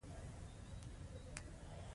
د اضافي ارزښت یوې برخې پانګه کولو ته وایي